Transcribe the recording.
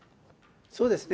そうですね。